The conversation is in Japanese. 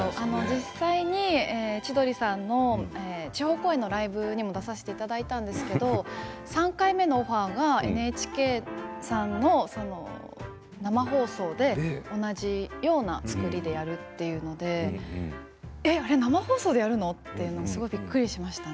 実際に千鳥さんの地方公演のライブにも出させていただいたんですけれど３回目のオファーがＮＨＫさんの生放送で同じような作りでやるというのであれを生放送でやるの？とびっくりしました。